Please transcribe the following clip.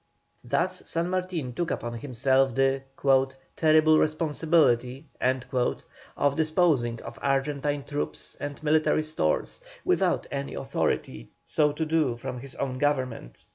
Thus San Martin took upon himself the "terrible responsibility" of disposing of Argentine troops and military stores, without any authority so to do from his own government.